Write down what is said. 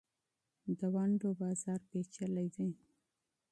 د ونډو بازار پېچلی دی.